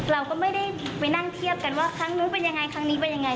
เราก็ไม่ได้ไปนั่งเทียบกันว่าครั้งนู้นเป็นยังไงครั้งนี้เป็นยังไง